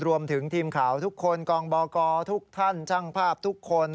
รวมถึงทีมข่าวทุกคนกองบกทุกท่านช่างภาพทุกคน